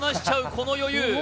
この余裕